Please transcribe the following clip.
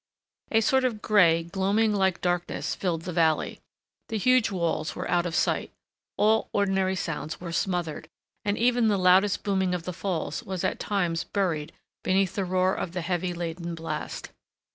A sort of gray, gloaming like darkness filled the valley, the huge walls were out of sight, all ordinary sounds were smothered, and even the loudest booming of the falls was at times buried beneath the roar of the heavy laden blast.